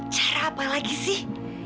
cara apa lagi sih